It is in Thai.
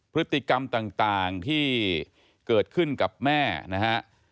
พฤติกรรมต่างที่เกิดขึ้นกับแม่นะฮะ